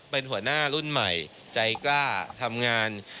เป็นหัวหน้ารุ่นใหม่ใจกล้าทำงาน